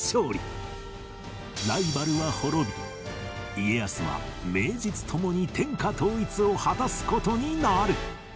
ライバルは滅び家康は名実ともに天下統一を果たす事になる